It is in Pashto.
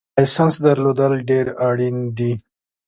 لایسنس درلودل ډېر اړین دي